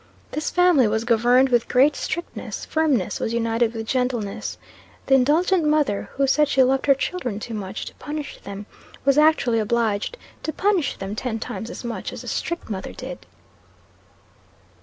This family was governed with great strictness; firmness was united with gentleness. The indulgent mother, who said she loved her children too much to punish them, was actually obliged to punish them ten times as much as the strict mother did."